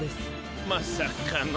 まさかの。